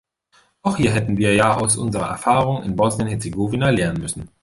Auch hier hätten wir ja aus unserer Erfahrung in Bosnien-Herzegowina lernen müssen.